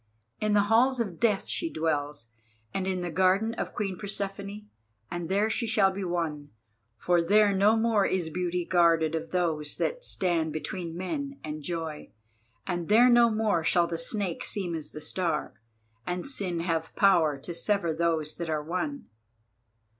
In the halls of Death she dwells, and in the garden of Queen Persephone, and there she shall be won, for there no more is beauty guarded of Those that stand between men and joy, and there no more shall the Snake seem as the Star, and Sin have power to sever those that are one.